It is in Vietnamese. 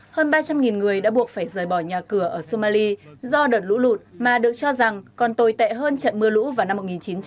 hơn ba trăm linh người đã buộc phải rời bỏ nhà cửa ở somali do đợt lũ lụt mà được cho rằng còn tồi tệ hơn trận mưa lũ vào năm một nghìn chín trăm bảy mươi